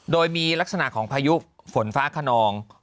โดยมีลักษณะของพายุฝนฟ้าขนอง